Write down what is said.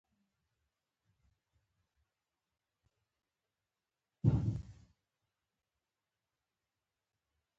افغانستان کې ښارونه د خلکو د خوښې وړ ځای دی.